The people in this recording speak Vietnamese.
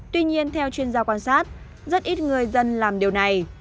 tuy nhiên theo chuyên gia quan sát rất ít người dân làm điều này